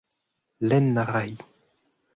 lenn a ra-hi.